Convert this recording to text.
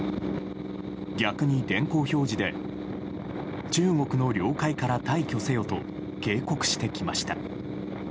逆に、電光表示で中国の領海から退去せよと警告してきました。